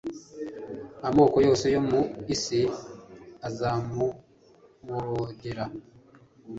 amoko yose yo mu isi azamuborogera,